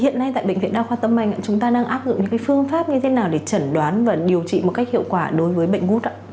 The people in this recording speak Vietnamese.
hiện nay tại bệnh viện đa khoa tâm anh chúng ta đang áp dụng những phương pháp như thế nào để chẩn đoán và điều trị một cách hiệu quả đối với bệnh gút ạ